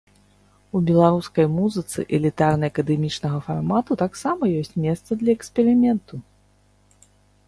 У беларускай музыцы элітарна-акадэмічнага фармату таксама ёсць месца для эксперыменту.